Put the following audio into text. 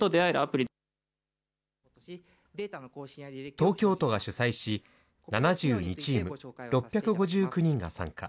東京都が主催し、７２チーム６５９人が参加。